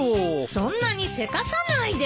そんなにせかさないで。